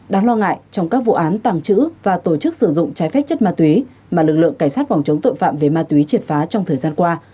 đáng lo ngại trong các vụ án tàng trữ và tổ chức sử dụng trái phép chất ma túy mà lực lượng cảnh sát phòng chống tội phạm về ma túy triệt phá trong thời gian qua